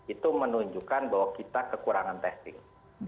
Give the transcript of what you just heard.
itu menunjukkan bahwa kita kekurangan testing